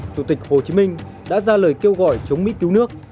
chủ tịch hồ chí minh đã ra lời kêu gọi chống mỹ cứu nước